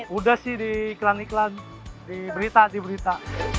sudah sih di iklan iklan di berita di berita